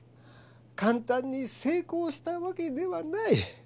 かんたんに成功したわけではない。